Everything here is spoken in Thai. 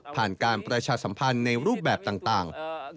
ผ่านการประชาสัมพันธ์ในรูปแบบต่าง